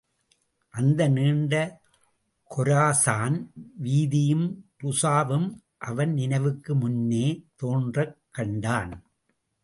அந்த நீண்ட கொரசான் வீதியும், ருஸாவும் அவன் நினைவுக்கு முன்னே தோன்றக் கண்டான்.